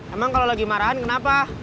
emang kalau lagi marahan kenapa